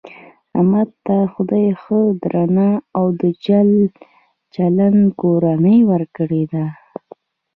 احمد ته خدای ښه درنه او د چل چلن کورنۍ ورکړې ده .